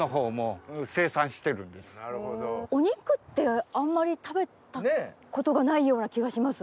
お肉ってあんまり食べたことがないような気がします。